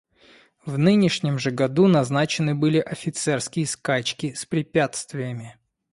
В нынешнем же году назначены были офицерские скачки с препятствиями.